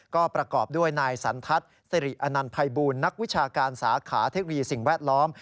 ก็ประกอบด้วยนายสันทัศน์สิริอนันต์ภัยบูลนักวิชาการสาขาเทคโนโลยีสิ่งแวดล้อม